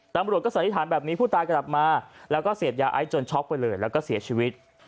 ตำรวจก็สันนิษฐานแบบนี้ผู้ตายกลับมาแล้วก็เสพยาไอจนช็อกไปเลยแล้วก็เสียชีวิต